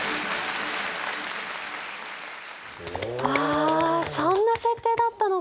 ああそんな設定だったのか。